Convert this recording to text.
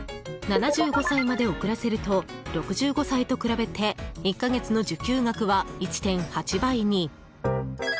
７５歳まで遅らせると６５歳と比べて１か月の受給額は１．８倍に。